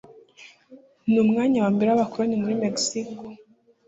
Ni umwanya wa mbere w’abakoloni muri Mexico,